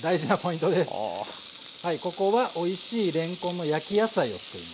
ここはおいしいれんこんの焼き野菜を作ります。